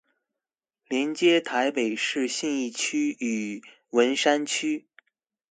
連接臺北市信義區與文山區